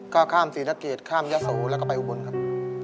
ก็ข้ามศรีสะเกดข้ามยะโสแล้วก็ไปอุบลครับ